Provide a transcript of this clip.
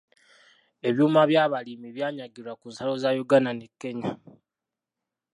Ebyuma by’abalimi byanyagirwa ku nsalo za Yuganda ne "Kenya".